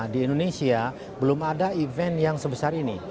di indonesia belum ada event yang sebesar ini